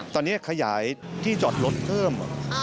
ตอนนี้ขยายที่จอดรถเพิ่ม